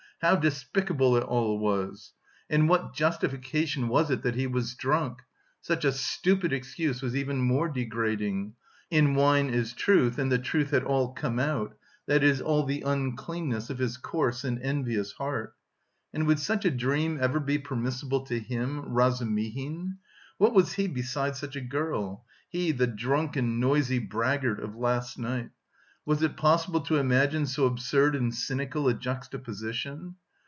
how despicable it all was! And what justification was it that he was drunk? Such a stupid excuse was even more degrading! In wine is truth, and the truth had all come out, "that is, all the uncleanness of his coarse and envious heart"! And would such a dream ever be permissible to him, Razumihin? What was he beside such a girl he, the drunken noisy braggart of last night? Was it possible to imagine so absurd and cynical a juxtaposition?